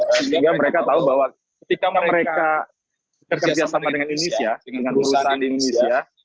sehingga mereka tahu bahwa ketika mereka kerjasama dengan indonesia dengan perusahaan indonesia